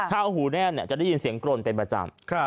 ถ้าเอาหูแน่นจะได้ยินเสียงกรนเป็นประจำ